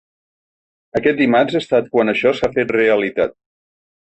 Aquest dimarts ha estat quan això s’ha fet realitat.